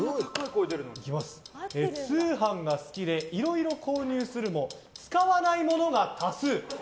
通販が好きでいろいろ購入するも使わないものが多数。